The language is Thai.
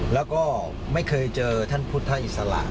แล้วก็ไม่เคยเจอท่านพุทธอิสระ